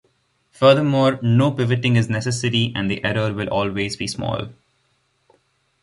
Furthermore, no pivoting is necessary and the error will always be small.